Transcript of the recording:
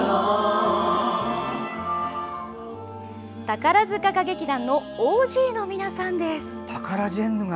宝塚歌劇団のＯＧの皆さんです。